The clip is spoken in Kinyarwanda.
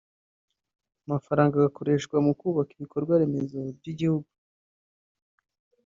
amafaranga agakoreshwa mu kubaka ibikorwa remezo by’igihugu